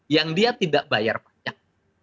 yang dia tidak bayar pajak